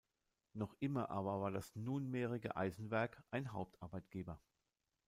Noch immer aber war das nunmehrige Eisenwerk ein Hauptarbeitgeber.